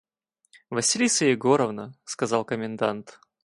«Василиса Егоровна! – сказал комендант.